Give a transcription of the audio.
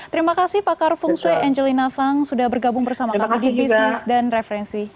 terima kasih pak karfungswe angelina fang sudah bergabung bersama kami di bisnis dan referensi